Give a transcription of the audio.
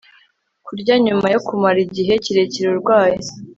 kurya nyuma yo kumara igihe kirekire arwaye